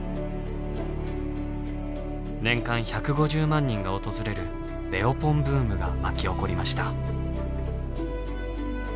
年間１５０万人が訪れるレオポンブームが巻き起こりました。